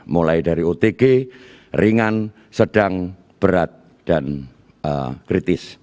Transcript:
mulai dari otg ringan sedang berat dan kritis